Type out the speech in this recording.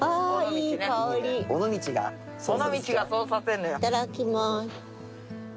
いただきます。